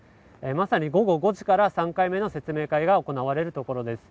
まさに午後５時から３回目の説明会が行われるところです。